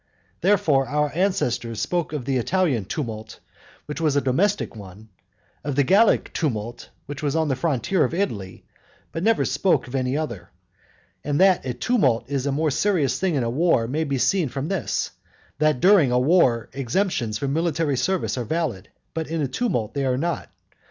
Therefore, our ancestors spoke of the Italian "tumult," which was a domestic one, of the Gallic "tumult," which was on the frontier of Italy, but they never spoke of any other. And that a "tumult" is a more serious thing than a "war" may be seen from this, that during a war exemptions from military service are valid, but in a tumult they are not.